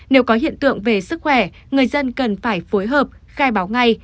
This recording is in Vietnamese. nếu có hiện tượng về sức khỏe người dân cần phải phối hợp khai báo ngay